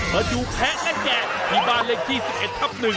มาดูแพ้กับแกะที่บ้านเล่นที่๑๑ทับ๑